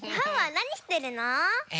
なにしてるの？え？